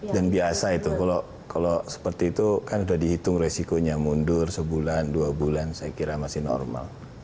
dan biasa itu kalau seperti itu kan sudah dihitung resikonya mundur sebulan dua bulan saya kira masih normal